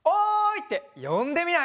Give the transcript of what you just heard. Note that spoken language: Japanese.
ってよんでみない？